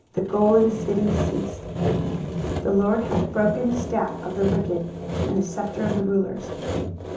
the golden city ceased! 23:014:005 The LORD hath broken the staff of the wicked, and the sceptre of the rulers.